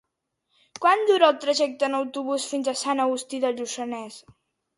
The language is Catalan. Quant dura el trajecte en autobús fins a Sant Agustí de Lluçanès?